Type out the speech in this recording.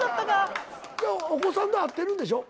お子さんと会ってるんでしょ？